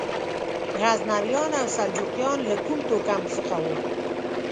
غزنویان او سلجوقیان له کوم توکم څخه وو؟